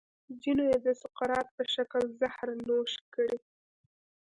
ځینو یې د سقراط په شکل زهر نوش کړي.